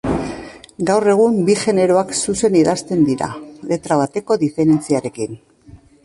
Gaur egun bi generoak zuzen idazten dira, letra bateko diferentziarekin.